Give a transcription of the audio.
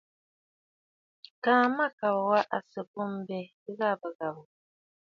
Kaa mâkàbə̀ wa à sɨ̀ bê m̀bə ghâbə̀ ghâbə̀.